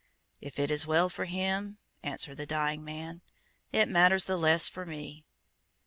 "If it is well for him," answered the dying man, "it matters the less for me."